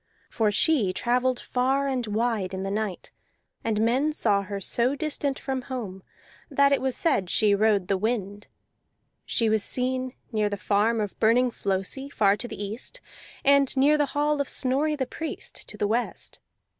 For she travelled far and wide in the night, and men saw her so distant from home that it was said she rode the wind; she was seen near the farm of Burning Flosi, far to the east, and near the hall of Snorri the Priest, to the west.